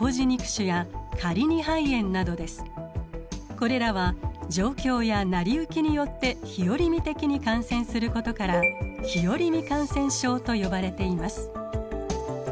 これらは状況や成り行きによって日和見的に感染することから日和見感染症と呼ばれています。